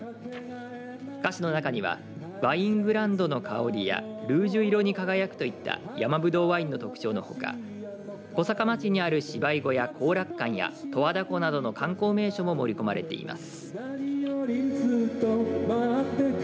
歌詞の中にはワイングランドの香りやルージュ色に輝くといった山ぶどうワインの特徴のほか小坂町にある芝居小屋、康楽館や十和田湖などの観光名所も盛り込まれています。